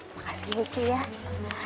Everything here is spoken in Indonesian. makasih ibu cik ya